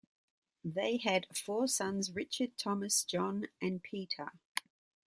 They had four sons, Richard, Thomas, John and Peter.